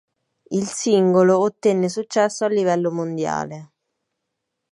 Il singolo ottenne successo a livello mondiale.